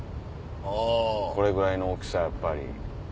これぐらいの大きさやっぱり。